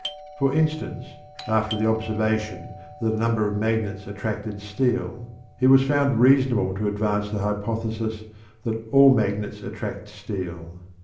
For instance, after the observation that a number of magnets attracted steel, it was found reasonable to advance the hypothesis that "all magnets attract steel."